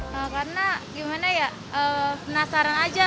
karena gimana ya penasaran aja